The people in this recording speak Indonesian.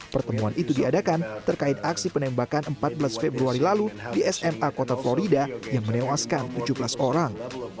pertemuan itu diadakan terkait aksi penembakan empat belas februari lalu di sma kota florida yang menewaskan tujuh belas orang